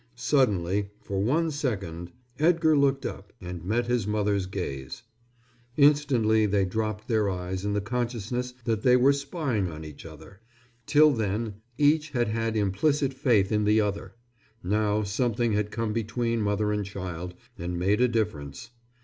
Suddenly, for one second, Edgar looked up and met his mother's gaze. Instantly they dropped their eyes in the consciousness that they were spying on each other. Till then each had had implicit faith in the other. Now something had come between mother and child and made a difference.